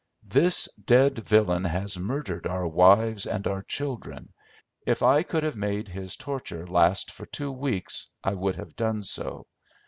"'This dead villain has murdered our wives and our children. If I could have made his torture last for two weeks I would have done so.